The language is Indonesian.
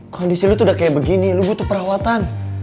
kondisi lo tuh udah kayak begini lo butuh perawatan